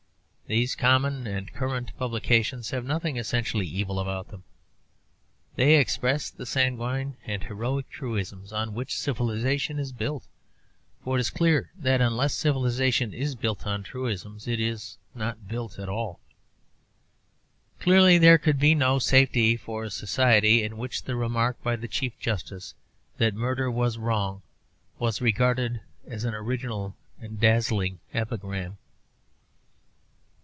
These common and current publications have nothing essentially evil about them. They express the sanguine and heroic truisms on which civilization is built; for it is clear that unless civilization is built on truisms, it is not built at all. Clearly, there could be no safety for a society in which the remark by the Chief Justice that murder was wrong was regarded as an original and dazzling epigram.